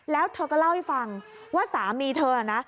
แล้วเธอก็เล่าให้ฟังว่าสามีเธอนะ